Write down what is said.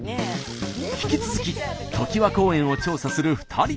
引き続きときわ公園を調査する２人。